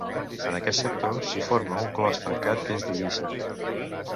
En aquest sector s'hi forma un clos tancat que és de lliça.